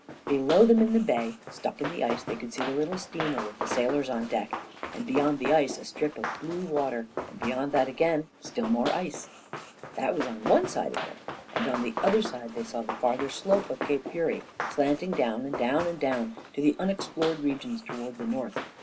Below them in the bay, stuck in the ice, they could see the little steamer, with the sailors on the deck, and beyond the ice a strip of blue water, and beyond that again more ice still. That was on one side of them, and on the other they saw the farther slope of Cape Fury, slanting down and down and down to the unexplored regions toward the north.